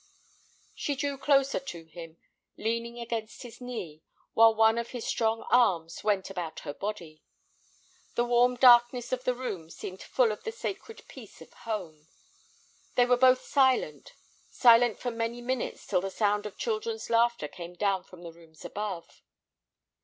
She drew closer to him, leaning against his knee, while one of his strong arms went about her body. The warm darkness of the room seemed full of the sacred peace of home. They were both silent, silent for many minutes till the sound of children's laughter came down from the rooms above.